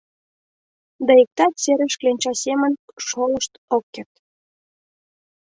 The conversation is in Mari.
Да иктат серыш кленча семын шолышт ок керт.